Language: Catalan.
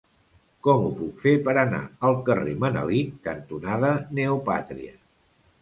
Com ho puc fer per anar al carrer Manelic cantonada Neopàtria?